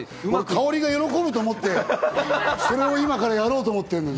香織が喜ぶと思って、それを今からやろうと思ってるのに。